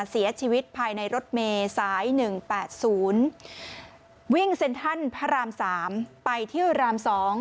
เสียชีวิตภายในรถเมย์สาย๑๘๐วิ่งเซ็นทรัลพระราม๓ไปที่ราม๒